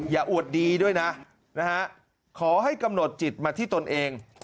อวดดีด้วยนะขอให้กำหนดจิตมาที่ตนเอง